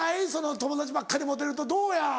友達ばっかりモテるとどうや？